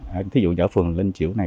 ví dụ nhỏ phường linh chiểu này